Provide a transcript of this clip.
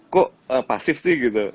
kok pasif sih gitu